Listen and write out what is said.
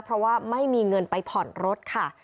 เพราะว่าไม่มีเงินไปผ่อนรถค่ะ